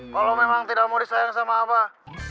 kalau memang tidak mau disayang sama abah